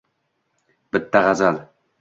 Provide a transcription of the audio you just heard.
Bitta g’azal